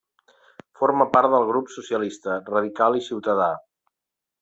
Forma part del grup socialista, radical i ciutadà.